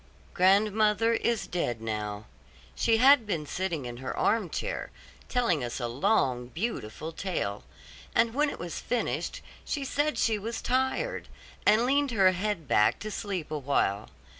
Grandmother is dead now. She had been sitting in her arm chair, telling us a long, beautiful tale; and when it was finished, she said she was tired, and leaned her head back to sleep awhile.